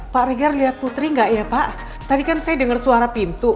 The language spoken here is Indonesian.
pak regar liat putri gak ya pak tadi kan saya denger suara pintu